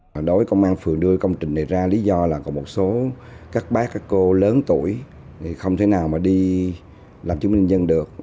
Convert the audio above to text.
đối với công an phường đưa công trình này ra lý do là có một số các bác các cô lớn tuổi không thể nào mà đi làm chứng minh dân được